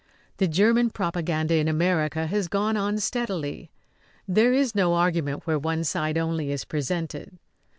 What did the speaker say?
The German propaganda in America has gone on steadily. There is no argument where one side only is presented.